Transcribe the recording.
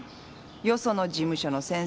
よその事務所の先生には。